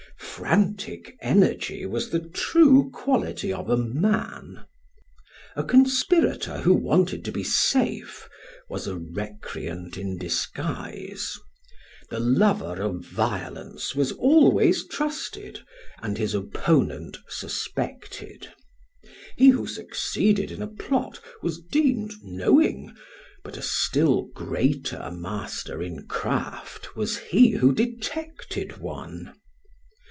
Frantic energy was the true quality of a man. A conspirator who wanted to be safe was a recreant in disguise. The lover of violence was always trusted, and his opponent suspected. He who succeeded in a plot was deemed knowing, but a still greater master in craft was he who detected one.